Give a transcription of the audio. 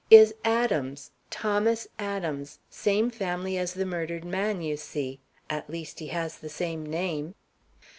"Is Adams, Thomas Adams. Same family as the murdered man, you see. At least, he has the same name."